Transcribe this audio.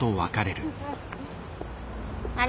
あれ？